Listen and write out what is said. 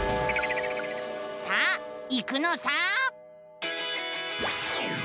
さあ行くのさ！